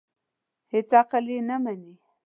هېڅ عقل یې نه مني.